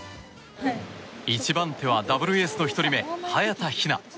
１番手はダブルエースの１人目早田ひな。